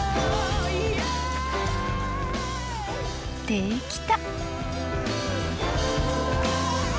できた！